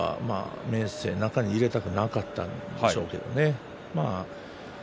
中に入れたくなかったんでしょうね。